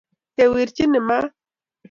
Kewirchi ne maat?